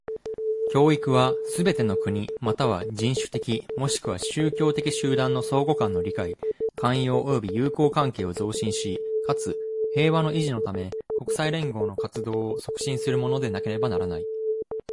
教育は、すべての国又は人種的若しくは宗教的集団の相互間の理解、寛容及び友好関係を増進し、かつ、平和の維持のため、国際連合の活動を促進するものでなければならない。